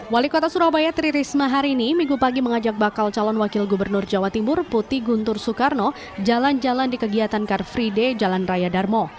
wali kota surabaya tri risma hari ini minggu pagi mengajak bakal calon wakil gubernur jawa timur putih guntur soekarno jalan jalan di kegiatan car free day jalan raya darmo